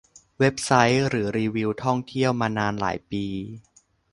เว็บไซต์ หรือรีวิวท่องเที่ยวมานานหลายปี